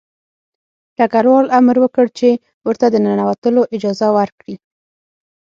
ډګروال امر وکړ چې ورته د ننوتلو اجازه ورکړي